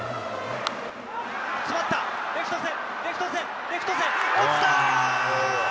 詰まった、レフト線、レフト線。落ちた。